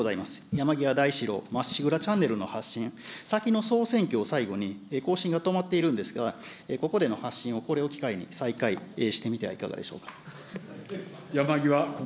山際大志郎まっしぐらチャンネルの発信、先の総選挙を最後に、更新が止まっているんですが、ここでの発信を、これを機会に再開してみてはいかがでしょうか。